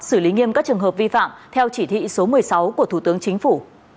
xử lý nghiêm các trường hợp vi phạm theo chỉ thị số một mươi sáu của thủ tướng chính phủ